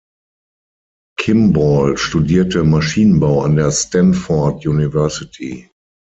Kimball studierte Maschinenbau an der Stanford University.